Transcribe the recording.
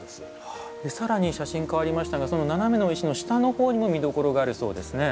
更に写真変わりましたがその斜めの石の下の方にも見どころがあるそうですね。